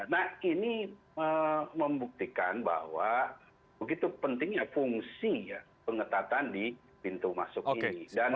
nah ini membuktikan bahwa begitu pentingnya fungsi ya pengetatan di pintu masuk ini